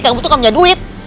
kamu tuh gak punya duit